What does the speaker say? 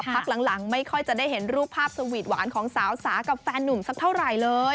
พักหลังไม่ค่อยจะได้เห็นรูปภาพสวีทหวานของสาวสากับแฟนหนุ่มสักเท่าไหร่เลย